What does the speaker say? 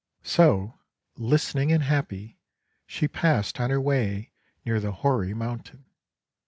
So, listening and happy, she passed on her way near the hoary mountain.